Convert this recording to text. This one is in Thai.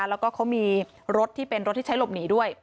แล้วก็เขามีรถที่เป็นรถที่ใช้หลบหนีด้วย